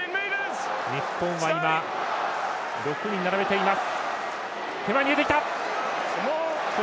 日本は６人並べています。